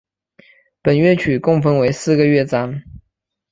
本乐曲共分为四个乐章。